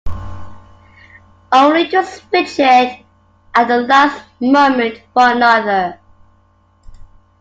Only to switch it at the last moment for another.